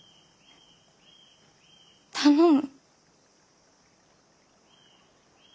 頼む。